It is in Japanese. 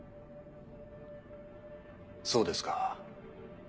そうですか。